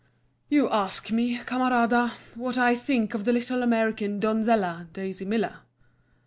YOU ask me, Camarada, what I think of the little American donzella, Daisy Miller?